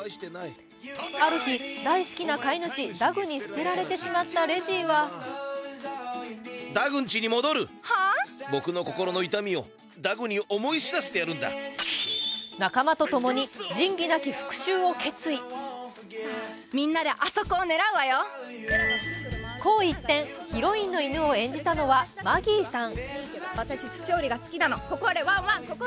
ある日、大好きな飼い主、ダグに捨てられてしまったレジーは仲間とともに仁義泣き復しゅうを決意紅一点、ヒロインの犬を演じたのは、マギーさん。